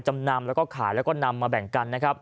จำนำและขายและนำมาแบ่งกัน